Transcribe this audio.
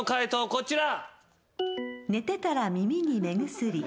こちら。